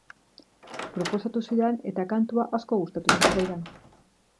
Proposatu zidan, eta kantua asko gustatu zitzaidan.